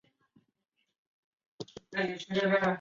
可能会成为政治人物